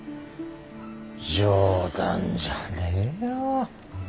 冗談じゃねえよ。